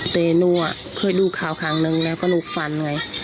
แต่หนูอ่ะเคยดูข่าวข้างนึงแล้วก็หนูฟันไง